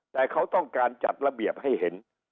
แต่เขาต้องการจัดระเบียบให้เห็น